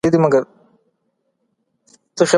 د اوبو عادلانه وېش يې تنظيم کړ.